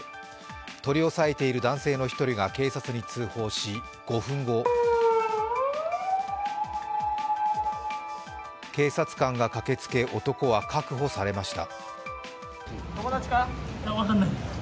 取り押さえている男性の１人が警察に通報し、５分後、警察官が駆けつけ、男は確保されました。